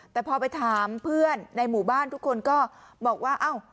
แต่พอไปถามเพื่อนในหมู่บ้านทุกคนก็บอกว่าเอ้า